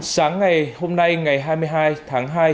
sáng ngày hôm nay ngày hai mươi hai tháng hai